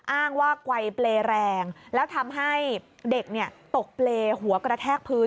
อ้างว่าไกลเปรย์แรงแล้วทำให้เด็กตกเปรย์หัวกระแทกพื้น